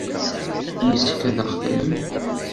Yessefk ad aɣ-tallem.